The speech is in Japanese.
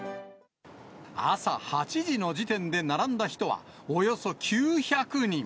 朝８時の時点で並んだ人はおよそ９００人。